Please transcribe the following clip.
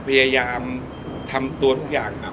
พยายามทำตัวทุกอย่างครับ